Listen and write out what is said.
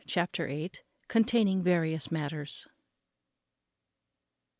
Chapter viii. _Containing various matters.